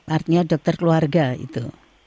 artinya dokter keluarga itu